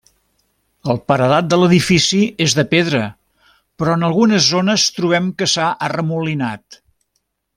El paredat de l'edifici és de pedra, però en algunes zones trobem que s'ha arremolinat.